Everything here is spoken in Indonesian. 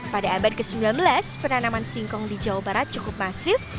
pada abad ke sembilan belas penanaman singkong di jawa barat cukup masif